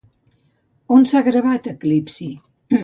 On s'ha gravat, Eclipsi?